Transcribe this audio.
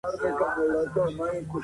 په سهارني تګ کي سستي نه لیدل کېږي.